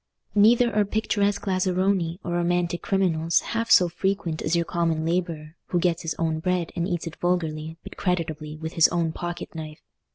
Neither are picturesque lazzaroni or romantic criminals half so frequent as your common labourer, who gets his own bread and eats it vulgarly but creditably with his own pocket knife.